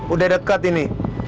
udah dekat ini